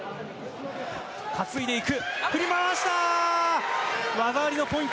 担いでいく。